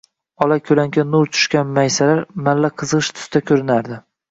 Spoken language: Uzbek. Ola koʻlanka nur tushgan maysalar malla-qizgʻish tusda koʻrinardi